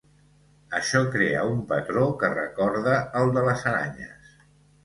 Això crea un patró que recorda al de les aranyes.